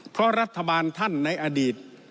เพราะรัฐบาลท่านในอดีต